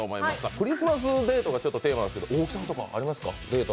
クリスマスデートがテーマなんですけど、ありますか？